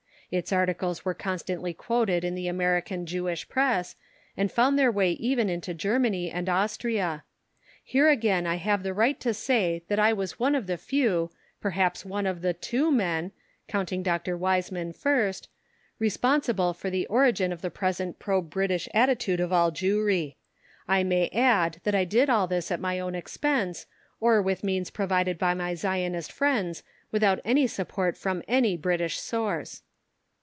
Its articles were constantly quoted in the American Jewish Press, and found their way even into Germany and Austria. Here again I have the right to say that I was one of the few perhaps one of the two men (counting Dr. Weizmann first) responsible for the origin of the present pro British attitude of all Jewry. I may add that I did all this at my own expense, or with means provided by my Zionist friends, without any support from any British source.